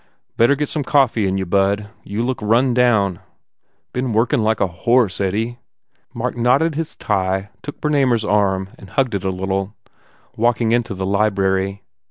"Better get some coffee in you, bud. You look run down." "Been workin like a horse, Eddie." Mark knotted his tie, took Bernamer s arm and hugged it a little, walking into the library.